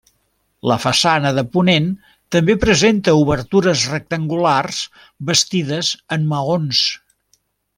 La façana de ponent també presenta obertures rectangulars bastides en maons.